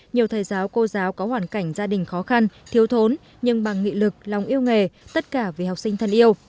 nhiều thầy giáo cô giáo có hoàn cảnh gia đình khó khăn thiếu thốn nhưng bằng nghị lực lòng yêu nghề tất cả vì học sinh thân yêu